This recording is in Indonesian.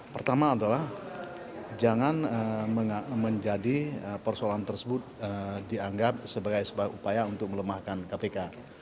pertama adalah jangan menjadi persoalan tersebut dianggap sebagai sebuah upaya untuk melemahkan kpk